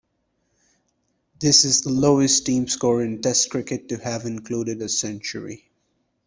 This is the lowest team score in Test cricket to have included a century.